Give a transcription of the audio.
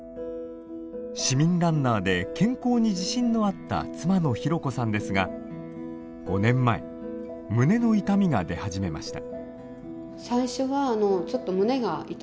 市民ランナーで健康に自信のあった妻のひろこさんですが５年前胸の痛みが出始めました。